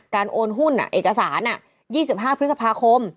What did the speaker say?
การโอนหุ้นอ่ะเอกสารอ่ะ๒๕พฤษภาคม